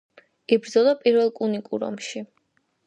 იბრძოდა პირველ პუნიკურ ომში.